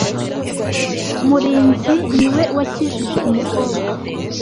Murinzi ni we wakijije umukobwa.